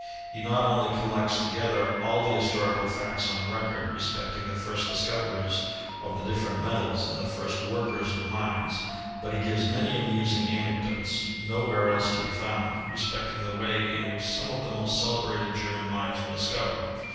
He not only collects toge« ther all the historical facts on record, respecting the first discoverers of the different metals and the first workers of mines, but he gives many amusing anec dotes nowhere else to be found, respecting the way in which some of the most celebrated German mines were discovered.